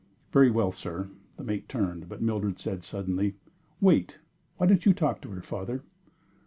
"Very well, sir!" The mate turned, but Mildred said, suddenly: "Wait! Why don't you talk to her, father?"